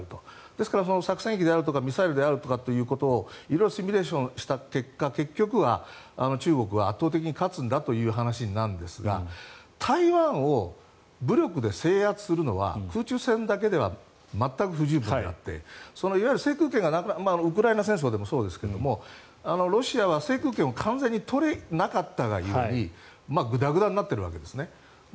ですから作戦機とかミサイルであるとかということを色々シミュレーションした結果結局は中国軍は圧倒的に勝つんだという話ですが台湾を武力で制圧するのは空中戦だけでは全く不十分であってウクライナ戦争でもそうですがロシアは制空権を完全に取れなかったが故にグダグダになっているわけですね。